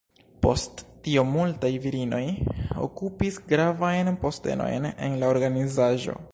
Post tio multaj virinoj okupis gravajn postenojn en la organizaĵo.